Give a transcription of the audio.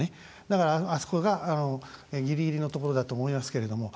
だから、あそこがギリギリのところだと思いますけれども。